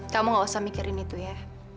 kamu gak usah mikirin itu ya